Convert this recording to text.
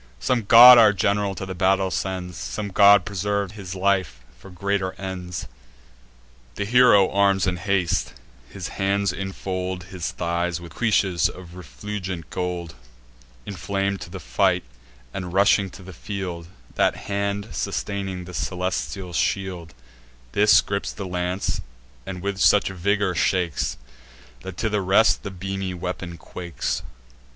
Some god our general to the battle sends; Some god preserves his life for greater ends." The hero arms in haste; his hands infold His thighs with cuishes of refulgent gold: Inflam'd to fight, and rushing to the field, That hand sustaining the celestial shield, This gripes the lance, and with such vigour shakes, That to the rest the beamy weapon quakes.